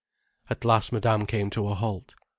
At last Madame came to a halt.